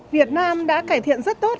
việt nam đã cải thiện rất tốt